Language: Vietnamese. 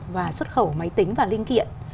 và xuất khẩu máy tính và linh kiện